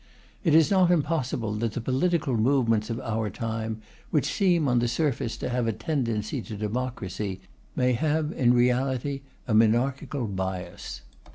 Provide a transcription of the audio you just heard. It is not impossible that the political movements of our time, which seem on the surface to have a tendency to democracy, may have in reality a monarchical bias.